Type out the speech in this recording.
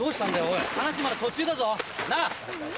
おい話まだ途中だぞなぁ？